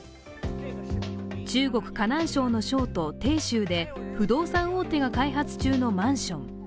中国・河南省の省都・鄭州で不動産大手が開発中のマンション。